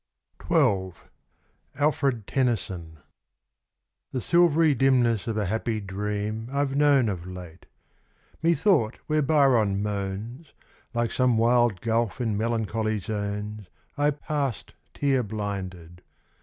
XII Alfred Tennyson The silvery dimness of a happy dream I've known of late. Methought where Byron moans, Like some wild gulf in melancholy zones, I passed tear blinded.